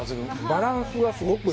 バランスがすごく。